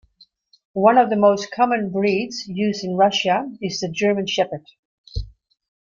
One of the most common breeds used in Russia is the German Shepherd.